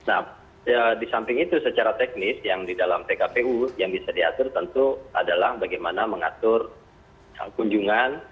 nah di samping itu secara teknis yang di dalam pkpu yang bisa diatur tentu adalah bagaimana mengatur kunjungan